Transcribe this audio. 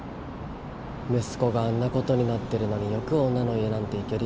息子があんなことになってるのによく女の家なんて行けるよな。